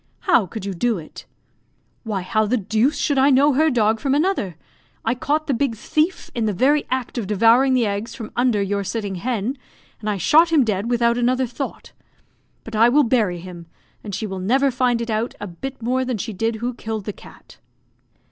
How could you do it?" "Why, how the deuce should I know her dog from another? I caught the big thief in the very act of devouring the eggs from under your sitting hen, and I shot him dead without another thought. But I will bury him, and she will never find it out a bit more than she did who killed the cat."